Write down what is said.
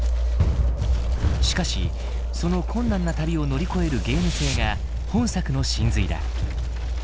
しかしその困難な旅を乗り越えるゲーム性が本作の神髄だ。